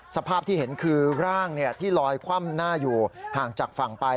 สภาพที่เห็นคือร่างที่ลอยคว่ำหน้าอยู่ห่างจากฝั่งไป